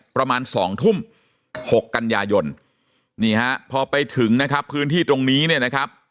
ประมาณ๒ทุ่ม๖กยนี่ครับพอไปถึงนะครับพื้นที่ตรงนี้เนี่ยนะครับ